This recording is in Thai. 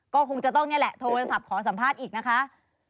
ก็คงจะต้องนี่แหละโทรศัพท์ขอสัมภาษณ์อีกนะคะ